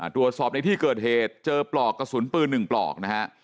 ตรวจสอบในที่เกิดเหตุเจอปลอกกระสุนปืน๑ปลอกนะฮะ